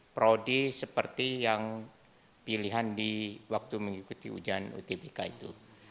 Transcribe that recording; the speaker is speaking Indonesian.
prodi seperti yang pilihan di waktu mengikuti ujian utbk itu